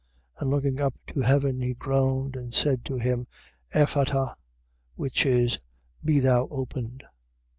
7:34. And looking up to heaven, he groaned and said to him: Ephpheta, which is, Be thou opened.